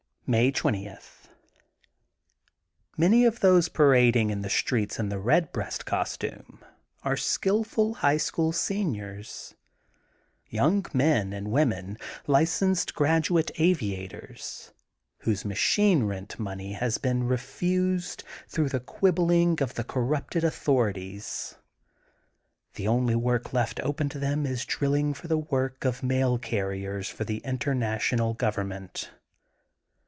May 20: — ^Many of those parading the streets in the Bedbreast costume are skill ful High School seniors, young men and women, licensed graduate aviators, whose machine rent money has been refused through the quibbling of the corrupted authorities. THE GOLDEN BOOK OF SPRINGFIELD 149 The only work left open to them is drilling for the work of mail carriers for the International Government.